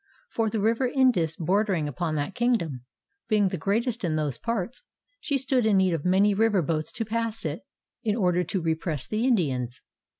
For the river Indus bordering upon that kingdom, being the greatest in those parts, she stood in need of many river boats to pass it in order to repress the Indians.